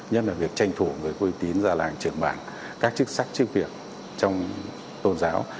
nhất là việc tranh thủ với quý tín gia làng trưởng bản các chức sách chức việc trong tôn giáo